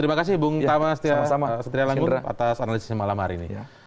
terima kasih bung tama setia langgun atas analisis malam hari ini